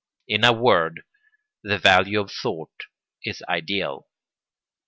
In a word, the value of thought is ideal.